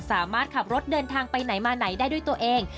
สามารถขับรถเดินทางไปไหนมาไหนได้ด้วยตัวเอง